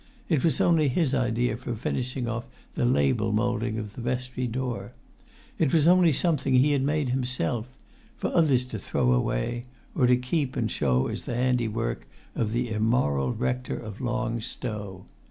It was only his idea for finishing off the label moulding of the vestry door; it was only something he had made himself—for others to throw away, or to keep and show as the handiwork of the immoral rector of Long Stow.